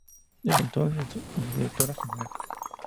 Desde entonces es su directora general.